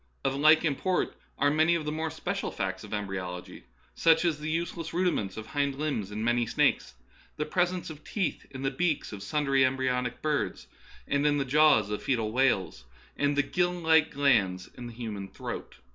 Of like import are many of the more special facts of embryology, such as the useless rudiments of hind limbs in many snakes, the presence of teeth in the beaks of sundry embry onic birds and in the jaws of foetal whales, and the gill like glands in the human throat.